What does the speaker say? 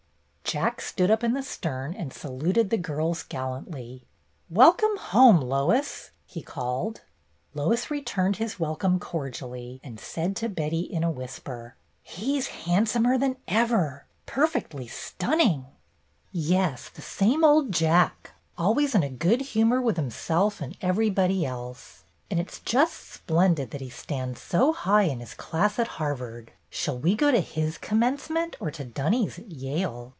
Jack stood up in the stern and saluted the girls gallantly. "Welcome home, Lois!" he called. Lois returned his welcome cordially and said to Betty in a whisper: 38 BETTY BAIRD'S GOLDEN YEAR ''He's handsomer than ever! Perfectly stunning I " "Yes, the same old Jack. Always in a good humor with himself and everybody else. And it 's just splendid that he stands so high in his class at Harvard 1 Shall we go to his commencement, or to Dunny's at Yale?"